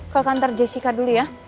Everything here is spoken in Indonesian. ke kantor jessica dulu ya